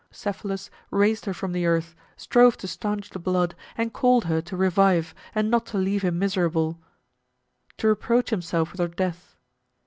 Cephalus raised her from the earth, strove to stanch the blood, and called her to revive and not to leave him miserable, to reproach himself with her death.